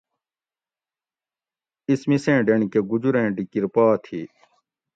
اِس مِسیں ڈینڑ کٞہ گُجُریں ڈِکِر پا تھی